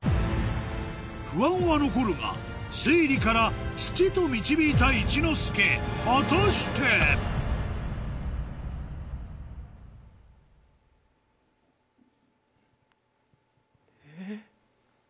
不安は残るが推理から土と導いた一之輔果たして⁉え？